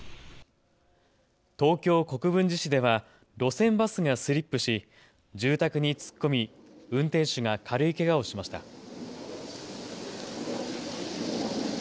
東京国分寺市では路線バスがスリップし住宅に突っ込み運転手が軽いけがをしました。